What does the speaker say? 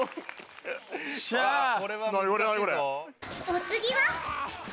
お次は。